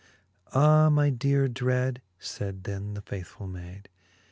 Ah my deare dread, faid then the faithfull mayd.